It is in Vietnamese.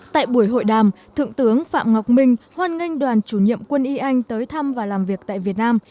tại buổi hội đàm thượng tướng phạm ngọc minh hoan nghênh đoàn chủ nhiệm quân y anh tới thăm và làm việc tại việt nam